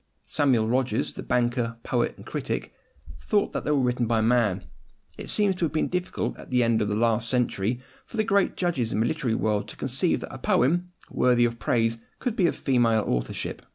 Samuel Rogers, the banker, poet, and critic, thought that they were written by a man. It seems to have been difficult, at the end of the last century, for the great judges in the literary world to conceive that a poem, worthy of praise, could be of female authorship.